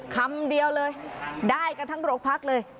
คำเดียวเลยได้กันทั้งโรงพักเลย